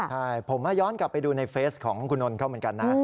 ใช่ผมย้อนกลับไปดูในเฟสของคุณนนท์เขาเหมือนกันนะ